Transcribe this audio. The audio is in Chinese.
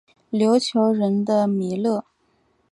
琉球人的弥勒。